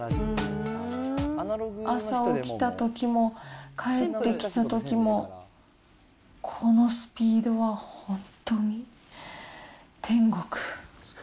朝起きたときも、帰ってきたときも、このスピードは本当に天国。